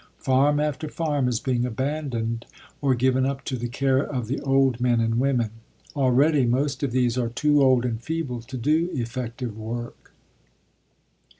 Farm after farm is being abandoned or given up to the care of the old men and women. Already, most of these are too old and feeble to do effective work.